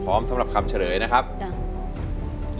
สำหรับคำเฉลยนะครับจ้ะ